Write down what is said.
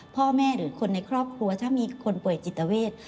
พ่อแม่หรือคนในครอบครัวถ้ามีคนป่วยจิตเวท